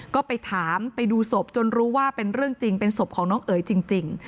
ก็ไปถามไปดูศพจนรู้ว่าเป็นเรื่องจริงเป็นศพของน้องเอ๋ยจริง